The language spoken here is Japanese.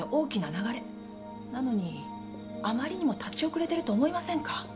なのにあまりにも立ち遅れてると思いませんか？